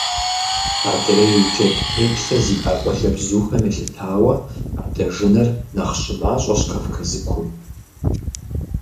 Адрей джэд теплъэ зиӀэ къуалэбзухэм елъытауэ адэжынэр нэхъ щымащӀэщ Кавказыкум.